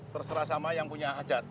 terserah sama yang punya hajat